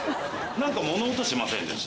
なんか物音しませんでした？